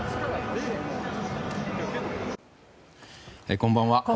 こんばんは。